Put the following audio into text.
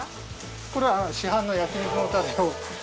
これは市販の焼肉のタレを。